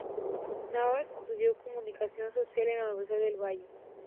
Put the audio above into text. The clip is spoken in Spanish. Navas estudió comunicación social en la Universidad del Valle.